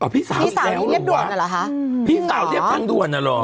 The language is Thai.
พี่สาวลบมาอีกแล้วหรือว่ามีเลขสามด่วนน่ะเหรอ